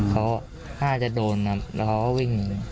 เขาอาจจะโดนแล้วเขาก็วิ่งหนี